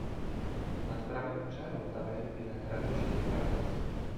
Nad pravým břehem Vltavy je hradiště Hradec.